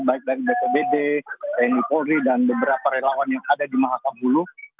baik dari bpbd tni polri dan beberapa relawan yang ada di mahakabulu